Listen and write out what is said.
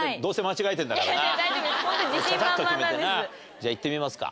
じゃあ言ってみますか。